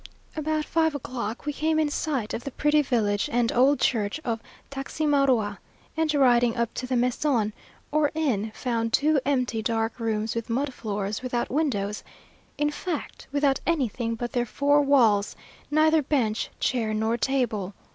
About five o'clock we came in sight of the pretty village and old church of Taximaroa; and riding up to the mesón, or inn, found two empty dark rooms with mud floors without windows, in fact without anything but their four walls neither bench, chair, nor table.